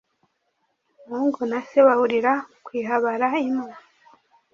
umuhungu na se bahurira ku ihabara imwe